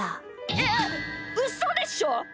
えっうそでしょ！？